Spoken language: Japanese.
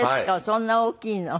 そんな大きいの。